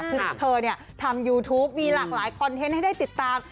คือเธอเนี่ยทำยูทูปมีหลากหลายคอนเทนต์ให้ได้ติดตาม